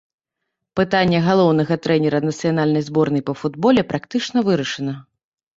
Пытанне галоўнага трэнера нацыянальнай зборнай па футболе практычна вырашана.